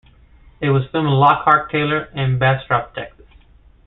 It was filmed in Lockhart, Taylor and Bastrop, Texas.